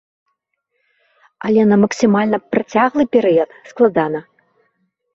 Але на максімальна працяглы перыяд складана.